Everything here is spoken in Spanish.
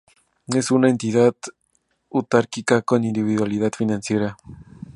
Es una entidad autárquica con individualidad financiera.